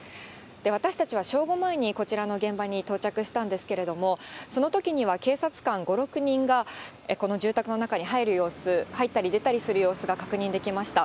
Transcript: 私たちは正午前にこちらの現場に到着したんですけれども、そのときには警察官５、６人が、この住宅の中に入る様子、入ったり出たりする様子が確認できました。